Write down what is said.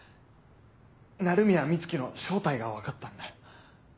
鳴宮美月の正体が分かったんだ。